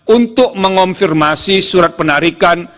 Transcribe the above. untuk mengonfirmasi surat penarikan